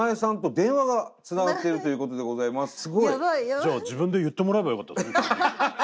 じゃあ自分で言ってもらえばよかったですね。